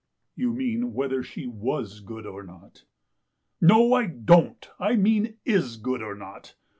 *' You mean whether she zvas good or not? "" No, I don't. I mean is good or not.